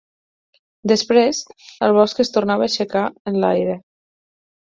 Després, el bosc es tornava a aixecar en l'aire…